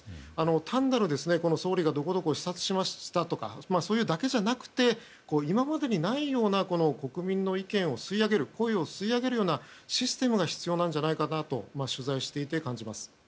単なる総理がどこどこを視察しましたとかだけじゃなくて今までにないような国民の意見を吸い上げるようなシステムが必要なんじゃないかと取材していて感じます。